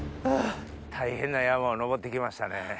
大変な山を登って来ましたね。